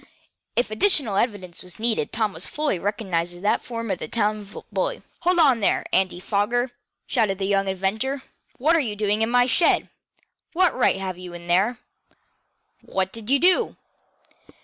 If additional evidence was needed Tom fully recognized the form as that of the town bully. "Hold on there, Andy Foger!" shouted the young inventor. "What are you doing in my shed? What right have you in there? What did you do?"